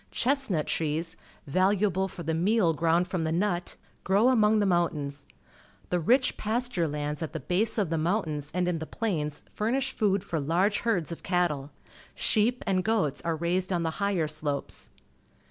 Chestnut trees, valuable for the meal ground from the nut, grow among the mountains. The rich pasture lands at the base of the mountains and in the plains furnish food for large herds of cattle. Sheep and goats are raised on the liigher slopes.